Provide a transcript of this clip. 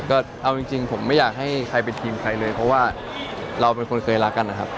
ก็เอาจริงผมไม่อยากให้ใครเป็นทีมใครเลยเพราะว่าเราเป็นคนเคยรักกันนะครับ